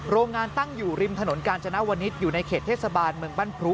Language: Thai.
โรงงานตั้งอยู่ริมถนนกาญจนวนิษฐ์อยู่ในเขตเทศบาลเมืองบ้านพรุ